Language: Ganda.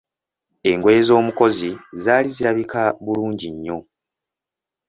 Engoye z'omukozi zaali zirabika bulungi nnyo.